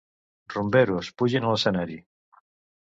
Rumberos, pugin a l’escenari.